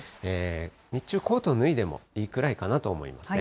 日中、コートを脱いでもいいくらいかなと思いますね。